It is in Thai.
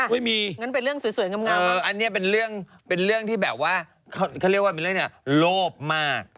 ไม่มีอันนี้เป็นเรื่องเป็นเรื่องที่แบบว่าเขาเรียกว่าเป็นเรื่องอะไรเนี่ยโลบมาก